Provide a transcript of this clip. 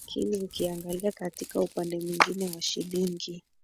lakini ukiangalia katika upande mwingine wa shilingi